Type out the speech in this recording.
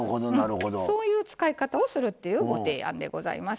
そういう使い方をするというご提案でございます。